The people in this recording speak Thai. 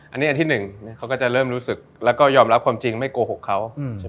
อันนี้อันที่หนึ่งเขาก็จะเริ่มรู้สึกแล้วก็ยอมรับความจริงไม่โกหกเขาใช่ไหม